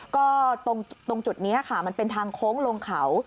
ก็ตรงจุดนี้ค่ะมันเป็นทางโค้งลงเขา